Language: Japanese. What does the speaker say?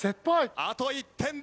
あと１点で。